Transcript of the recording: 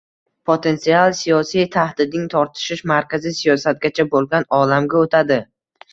potensial siyosiy tahdidning tortishish markazi “siyosiygacha bo‘lgan” olamga o‘tadi: